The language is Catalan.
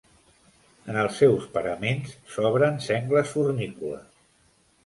En els seus paraments s'obren sengles fornícules.